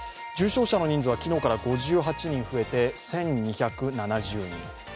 重症者の人数は昨日から５８人増えて１２７０人。